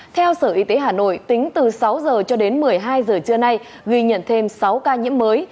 theo sở y tế hà nội tính từ sáu h cho đến một mươi hai giờ trưa nay ghi nhận thêm sáu ca nhiễm mới